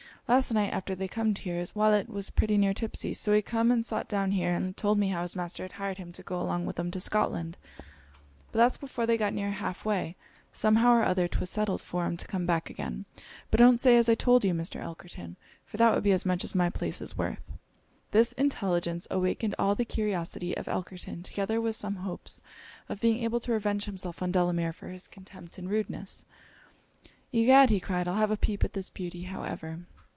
Last night, after they comed here, his walet was pretty near tipsey; so he come and sot down here, and told me how his master had hired him to go along with 'em to Scotland; but that before they got near half way, somehow or other 'twas settled for 'em to come back again. But don't say as I told you, Mr. Elkerton, for that would be as much as my place is worth.' This intelligence awakened all the curiosity of Elkerton, together with some hopes of being able to revenge himself on Delamere for his contempt and rudeness. 'Egad!' cried he, 'I'll have a peep at this beauty, however.'